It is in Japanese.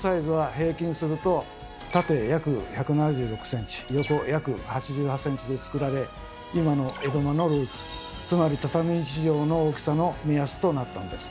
縦約１７６ｃｍ横約８８ｃｍで作られ今の江戸間のルーツつまり畳１畳の大きさの目安となったんです。